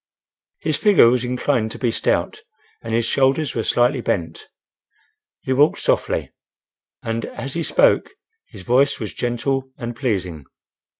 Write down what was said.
His figure was inclined to be stout, and his shoulders were slightly bent. He walked softly, and as he spoke his voice was gentle and pleasing.